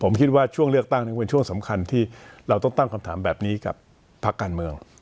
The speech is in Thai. ผมคิดว่าช่วงเลือกตั้งนั้นเป็นช่วงสำคัญที่เราต้องตั้งคำถามแบบนี้กับพักการเมือง